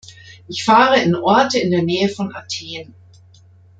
Ich fahre in Orte in der Nähe von Athen.